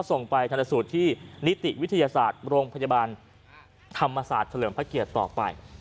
ส่งไปทันสูตรที่นิติวิทยาศาสตร์โรงพยาบาลธรรมศาสตร์เฉลิมพระเกียรติต่อไป